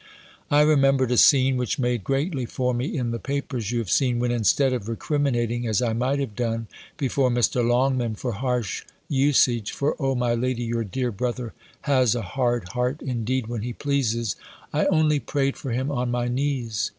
I remembered a scene, which made greatly for me in the papers you have seen, when, instead of recriminating, as I might have done, before Mr. Longman for harsh usage (for, O my lady, your dear brother has a hard heart indeed when he pleases), I only prayed for him on my knees.